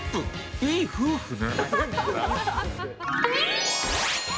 いい夫婦ね。